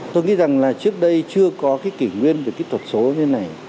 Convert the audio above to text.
tôi nghĩ rằng là trước đây chưa có cái kỷ nguyên về kỹ thuật số như thế này